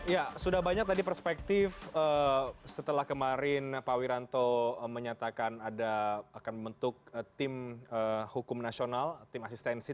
ya sudah banyak tadi perspektif setelah kemarin pak wiranto menyatakan ada akan membentuk tim hukum nasional tim asistensi